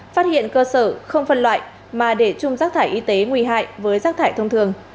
phát hiện cơ sở không phân loại mà để chung rác thải y tế nguy hại với rác thải thông thường